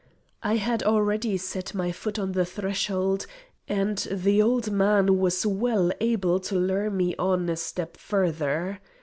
I had already set my foot on the threshold, and the old man was well able to lure me on a step further.